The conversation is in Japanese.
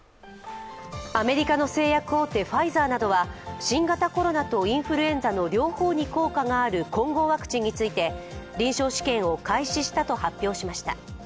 アメリカの製薬大手ファイザーなどは、新型コロナとインフルエンザの両方に効果がある混合ワクチンについて、臨床試験を開始したと発表しました。